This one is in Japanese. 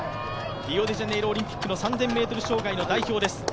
リオデジャネイロオリンピックの３０００ｍ障害の代表です。